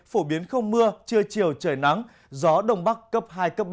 phổ biến không mưa trưa chiều trời nắng gió đông bắc cấp hai cấp ba